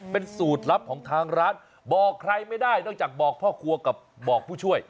เป็นสูตรลับของทางร้านบอกใครไม่ได้นอกจากบอกพ่อครัวกับบอกผู้ช่วย